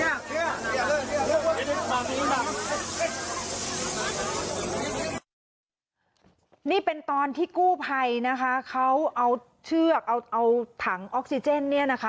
มานี้มานี้นี่เป็นตอนที่กู้ไพนะคะเขาเอาเชือกเอาเอาถังออกซิเจนเนี้ยนะคะ